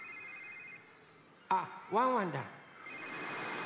あっワンワンだ。